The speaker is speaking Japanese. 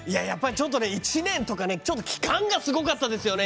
１年とかね期間がすごかったですよね